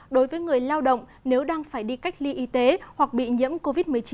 đối với người lao động nếu đang phải đi cách ly y tế hoặc bị nhiễm covid một mươi chín